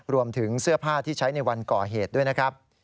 รวมถึงเสื้อผ้าที่ใช้ในวันก่อเหตุด้วยนะครับ